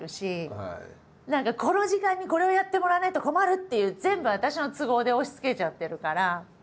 何かこの時間にこれをやってもらわないと困るっていう全部私の都合で押しつけちゃってるから。